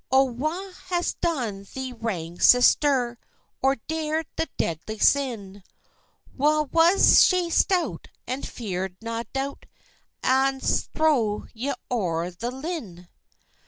"Oh, wha has done thee wrang, sister, Or dared the deadly sin? Wha was sae stout, and fear'd nae dout, As throw ye o'er the linn?"